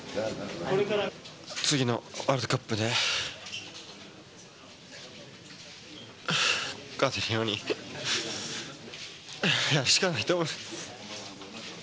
次のワールドカップで勝てるようにやるしかないと思います。